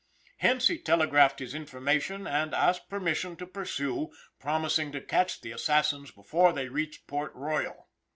Hence he telegraphed his information, and asked permission to pursue, promising to catch the assassins before they reached Port Royal.